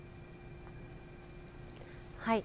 はい。